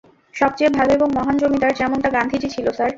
সবচেয়ে ভালো এবং মহান জমিদার, যেমনটা গান্ধীজি ছিল, স্যার।